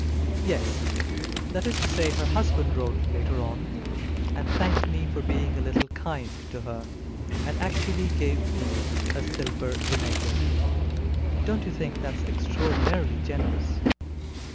"Yes that is to say, her husband wrote later on, and thanked me for being a little kind to her, and actually gave me her silver vinaigrette. Don't you think that is extraordinarily generous?